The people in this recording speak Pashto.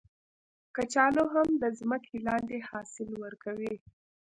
کچالو هم د ځمکې لاندې حاصل ورکوي